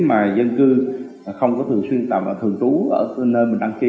mà dân cư không có thường xuyên tập và thường trú ở nơi mình đăng ký